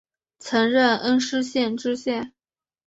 曾任恩施县知县。